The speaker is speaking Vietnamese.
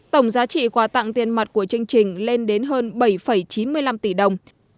tổng giá trị quà tặng tiền mặt của chương trình lên đến hơn bảy chín mươi năm tỷ đồng